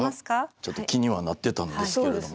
ちょっと気にはなってたんですけれども。